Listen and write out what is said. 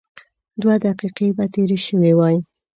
دوه دقيقې به تېرې شوې وای.